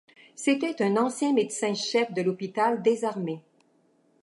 C'était un ancien médecin-chef de l'hôpital des armées.